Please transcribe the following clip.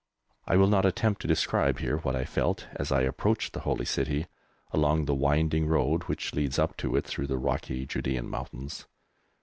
I will not attempt to describe here what I felt as I approached the Holy City, along the winding road which leads up to it through the rocky Judæan mountains.